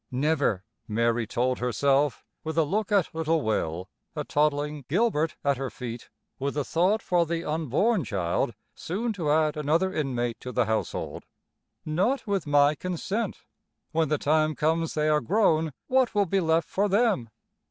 "Never," Mary told herself, with a look at little Will, at toddling Gilbert at her feet, with a thought for the unborn child soon to add another inmate to the household "not with my consent. When the time comes they are grown, what will be left for them?"